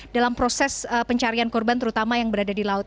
dalam proses pencarian korban terutama yang berada di laut